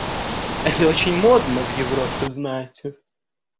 Это очень модно в Европе, знаете.